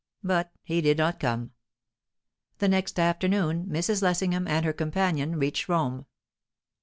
But he did not come. The next afternoon Mrs. Lessingham and her companion reached Rome.